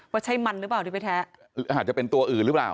ว่าใช่มันหรือเปล่าที่ไปแท้อาจจะเป็นตัวอื่นหรือเปล่า